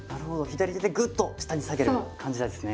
左手でぐっと下に下げる感じなんですね。